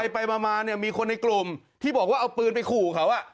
ไปมาเนี่ยมีคนในกลุ่มที่บอกว่าเอาปืนไปขู่เขา